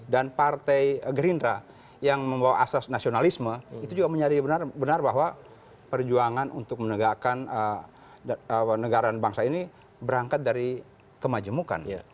dan partai gerindra yang membawa asas nasionalisme itu juga menyadari benar bahwa perjuangan untuk menegakkan negara dan bangsa ini berangkat dari kemajemukan